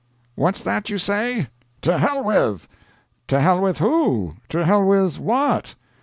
"What's that you say?" "To hell with!" "To hell with who? To hell with what?"